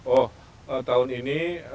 oh tahun ini